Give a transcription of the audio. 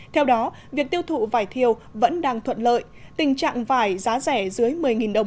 theo đó việc tiêu thụ vải thiều vẫn đang thuận lợi tình trạng vải giá rẻ dưới một mươi đồng